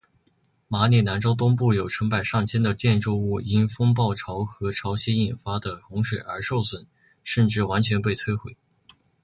马里兰州东部有成百上千的建筑物因风暴潮和潮汐引发的洪水而受损甚至完全被摧毁。